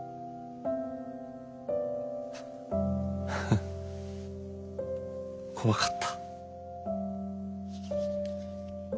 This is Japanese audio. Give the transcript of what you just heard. フッ怖かった。